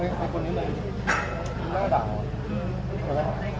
เฮ้ยคนนี้มันน่าด่าเหรอ